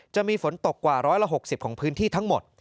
จะมีฝนตกกว่า๑๖๐ของพื้นที่ทั้งหมด